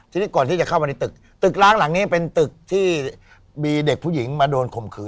ทีนี้ก่อนที่จะเข้ามาในตึกตึกล้างหลังนี้เป็นตึกที่มีเด็กผู้หญิงมาโดนข่มขืน